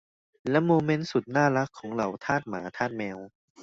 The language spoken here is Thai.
และโมเมนต์สุดน่ารักของเหล่าทาสหมาทาสแมว